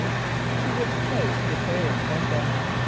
= To which place did H[)e]r´od send them?